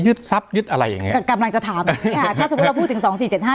ทรัพยึดอะไรอย่างเงี้กำลังจะถามแบบนี้ค่ะถ้าสมมุติเราพูดถึงสองสี่เจ็ดห้า